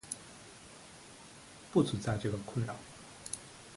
不存在这个困扰。